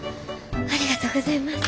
ありがとうございます。